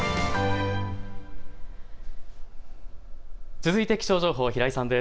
続いて気象情報、平井さんです。